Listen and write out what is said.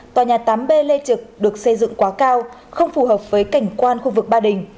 tòa nhà tám b lê trực được xây dựng quá cao không phù hợp với cảnh quan khu vực ba đình